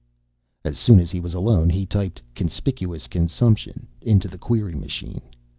As soon as he was alone he typed Conspicuous consumption into the query machine.